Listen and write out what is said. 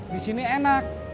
di sini enak